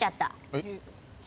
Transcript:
えっ？